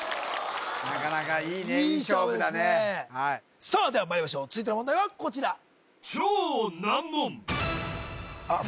なかなかいいねいい勝負だねいい勝負ですねさあではまいりましょう続いての問題はこちらあっ